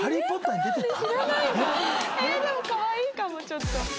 えっでもかわいいかもちょっと。